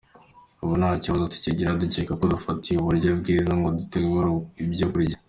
Ubu nta kibazo tukigira duteka kuko dufite uburyo bwiza bwo gutegura ibyo kurya”.